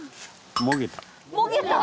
もげた！？